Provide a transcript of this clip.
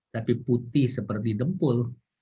tapi putih seperti dempul